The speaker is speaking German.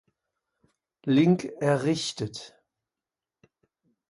Link errichtet.